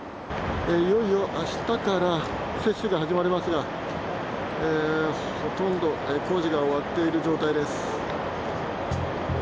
いよいよ明日から、接種が始まりますが、ほとんど工事が終わっている状態です。